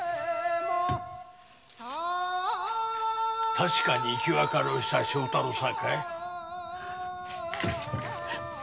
確かに生き別れをした正太郎さんかい？